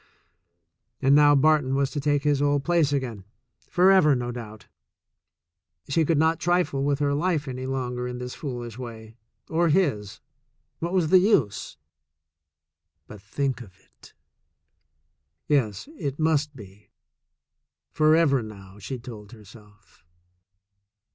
And now Barton was to take his old place again — forever, no doubt. She could not trifle with her life longer in this foolish way, or his. What was the use? But think of it! Yes, it must be — forever now, she told herself.